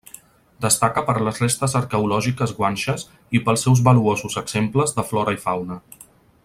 Destaca per les restes arqueològiques guanxes i pels seus valuosos exemples de flora i fauna.